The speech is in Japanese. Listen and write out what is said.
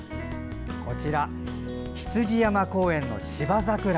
こちら、羊山公園の芝桜。